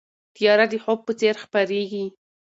تیاره د خوب په څېر خپرېږي.